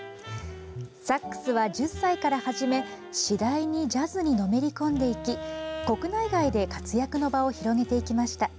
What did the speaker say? サックスは１０歳から始め次第に、ジャズにのめり込んでいき国内外で活躍の場を広げていきました。